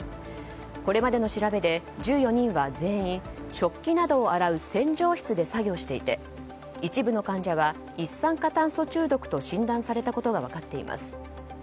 これまでの調べで１４人は全員食器などを洗う洗浄室で作業していて一部の患者は一酸化炭素中毒と診断されたことが分かっています。